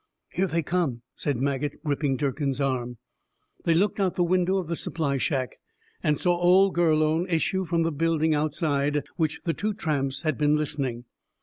"Here they come," said Maget, gripping Durkin's arm. They looked out the window of the supply shack, and saw old Gurlone issue from the building outside which the two tramps had been listening.